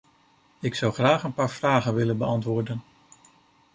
Ik zou graag een paar vragen willen beantwoorden.